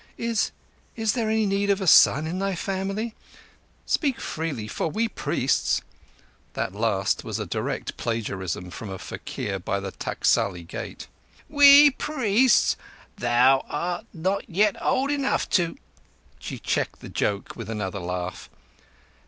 "Is—is there any need of a son in thy family? Speak freely, for we priests—" That last was a direct plagiarism from a faquir by the Taksali Gate. "We priests! Thou art not yet old enough to—" She checked the joke with another laugh.